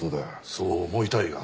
そう思いたいが。